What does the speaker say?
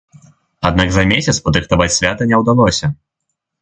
Аднак за месяц падрыхтаваць свята не ўдалося.